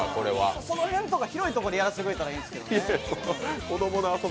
その辺とか広いところでやらせてくれたらいいんですけどね。